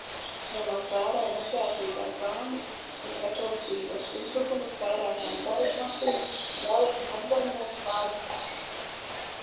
Ņemot vērā neprātīgās baumas un spekulatīvos uzbrukumus vairākām dalībvalstīm, ļaujiet man atgādināt pāris faktus.